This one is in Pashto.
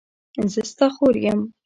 زه ستا خور یم.